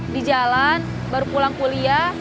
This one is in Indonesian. di jalan baru pulang kuliah